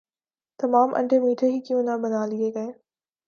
تمام انڈے میٹھے ہی کیوں نہ بنا لئے گئے